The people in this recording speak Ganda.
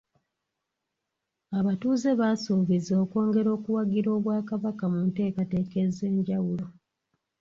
Abatuuze baasuubiza okwongera okuwagira Obwakabaka mu nteekateeka ez'enjawulo.